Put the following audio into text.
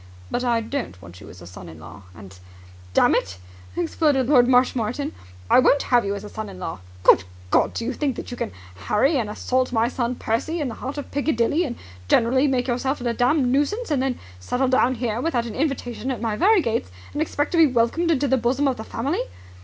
"But I don't want you as a son in law. And, dammit," exploded Lord Marshmoreton, "I won't have you as a son in law! Good God! do you think that you can harry and assault my son Percy in the heart of Piccadilly and generally make yourself a damned nuisance and then settle down here without an invitation at my very gates and expect to be welcomed into the bosom of the family?